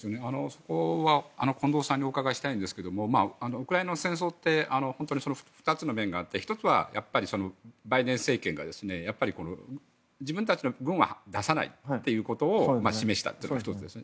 そこは、近藤さんにお伺いしたいですがウクライナの戦争って本当にその２つの面があって１つはバイデン政権が自分たちの分は出さないということを示したというのが１つです。